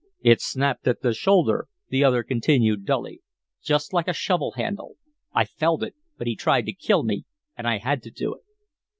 "It snapped at the shoulder," the other continued, dully, "just like a shovel handle. I felt it but he tried to kill me and I had to do it."